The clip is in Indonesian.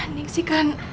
aneh sih kan